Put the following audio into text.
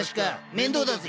面倒だぜ。